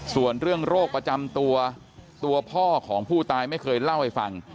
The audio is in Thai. ส่วนเรื่องโรคประจำตัวตัวพ่อของผู้ตายไม่เคยเล่าให้ฟัง